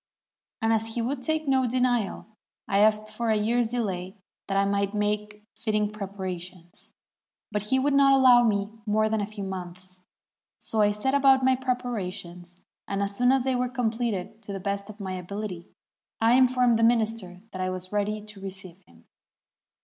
And as he would take no denial, I asked for a year's delay, that I might make fitting preparations; but he would not allow me more than a few months. So I set about my preparations, and as soon as they were completed to the best of my ability, I mformed the 517 ARABIA minister that I was ready to receive him.